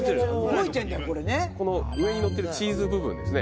動いてるこの上にのってるチーズ部分ですね